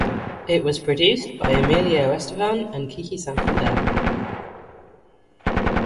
It was produced by Emilio Estefan and Kike Santander.